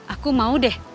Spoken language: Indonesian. aku mau deh